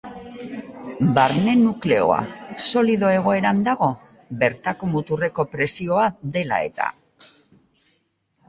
Barne nukleoa solido egoeran dago bertako muturreko presioa dela eta.